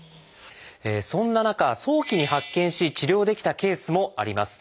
そんな中早期に発見し治療できたケースもあります。